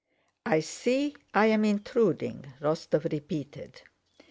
"I see I'm intruding," Rostóv repeated.